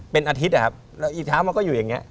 เป็นอาทิตย์อะครับแล้วอีกเช้ามันก็อยู่อย่างนี้